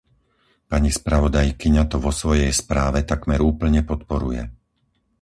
Pani spravodajkyňa to vo svojej správe takmer úplne podporuje.